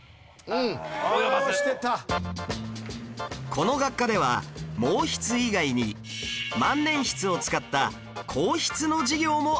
この学科では毛筆以外に万年筆を使った硬筆の授業もあるんです